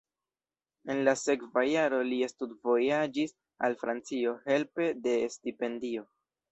En la sekva jaro li studvojaĝis al Francio helpe de stipendio.